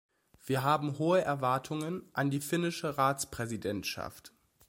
Wir haben hohe Erwartungen an die finnische Ratspräsidentschaft.